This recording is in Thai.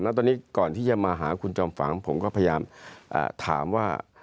แล้วตอนนี้ก่อนที่จะมาหาคุณจอมฝังผมก็พยายามถามว่า